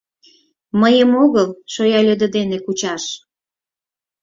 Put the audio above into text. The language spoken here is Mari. Мыйым огыл шоя лӧдӧ дене кучаш!